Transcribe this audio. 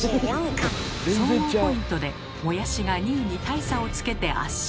総合ポイントでモヤシが２位に大差をつけて圧勝。